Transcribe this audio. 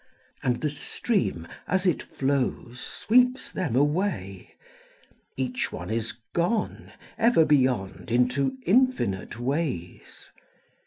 And the stream as it flows Sweeps them away, Each one is gone Ever beyond into infinite ways.